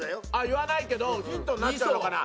言わないけどヒントになっちゃうのかな？